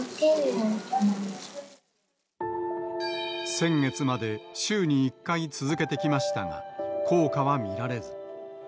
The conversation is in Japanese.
先月まで週に１回、続けてきましたが、効果は見られず。